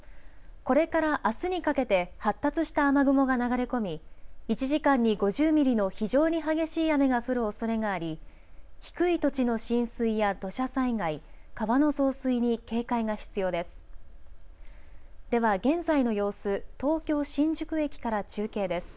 これからあすにかけて発達した雨雲が流れ込み１時間に５０ミリの非常に激しい雨が降るおそれがあり低い土地の浸水や土砂災害川の増水に警戒が必要です。